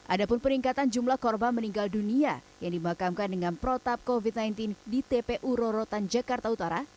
ada pun peningkatan jumlah korban meninggal dunia yang dimakamkan dengan protap covid sembilan belas di tpu rorotan jakarta utara